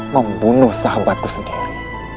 membunuh sahabatku sendiri